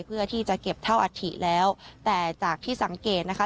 เพื่อที่จะเก็บเท่าอัฐิแล้วแต่จากที่สังเกตนะคะ